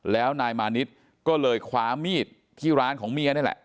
แล้วนายมานิดก็เลยคว้ามีดที่ร้านของเมียนี่แหละ